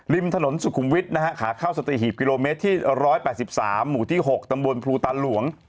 ริมถนนสุขุมวิทย์นะฮะขาเข้าสตรีหีบกิโลเมตรที่๑๘๓หมู่ที่๖ตำบลภูตาหลวง